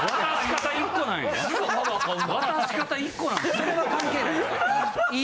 それは関係ない。